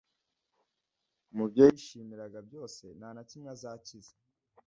mu byo yishimiraga byose nta na kimwe azakiza,